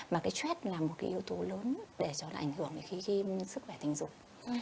mà cái stress là một cái yếu tố lớn để cho nó ảnh hưởng đến khi khi sức khỏe tình dục